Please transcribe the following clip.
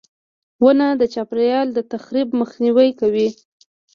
• ونه د چاپېریال د تخریب مخنیوی کوي.